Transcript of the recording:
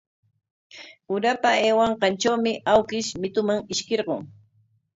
Urapa aywaykanqantrawmi awkish mituman ishkirqun.